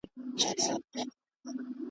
که موږ هم پرمځکه پرېږدو خپل د پلونو نښانونه .